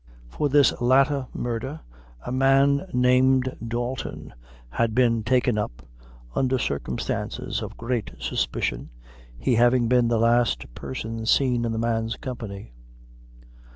For this latter murder a man named Dalton had been taken up, under circumstances of great suspicion, he having been the last person seen in the man's company.